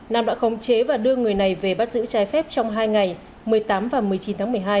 nam đã khống chế và đưa người này về bắt giữ trái phép trong hai ngày một mươi tám và một mươi chín tháng một mươi hai